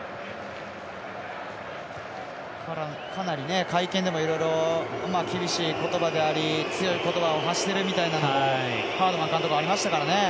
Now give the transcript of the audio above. かなり会見でもいろいろ厳しい言葉であり強い言葉を発してるみたいなのもハードマン監督ありましたからね。